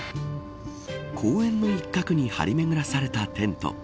公園の一角に張り巡らされたテント。